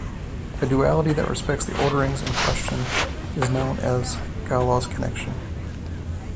A duality that respects the orderings in question is known as a Galois connection.